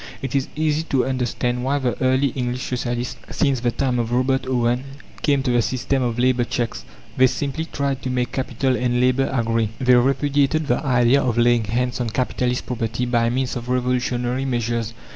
It is easy to understand why the early English socialists, since the time of Robert Owen, came to the system of labour cheques. They simply tried to make Capital and Labour agree. They repudiated the idea of laying hands on capitalist property by means of revolutionary measures.